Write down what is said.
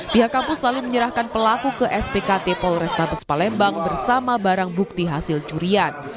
pihak kampus selalu menyerahkan pelaku ke spkt polrestabes palembang bersama barang bukti hasil curian